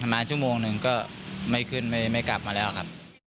นึงก็ไม่ขึ้นไม่กลับมาแล้วครับ